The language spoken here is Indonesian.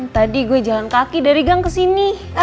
tadi gue jalan kaki dari gang kesini